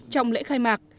trong lễ khai mạc